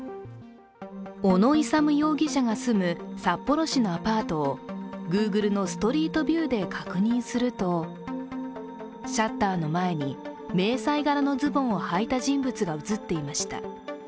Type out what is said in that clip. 小野勇容疑者が住む札幌市のアパートをＧｏｏｇｌｅのストリートビューで確認すると、シャッターの前に迷彩柄のズボンをはいた人物が写っていました。